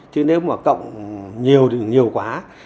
chứ nếu mà cộng nhiều thì nhiều quá